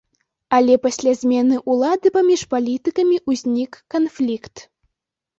Але пасля змены ўлады паміж палітыкамі ўзнік канфлікт.